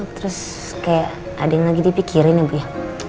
terus kayak ada yang lagi dipikirin ya bu ya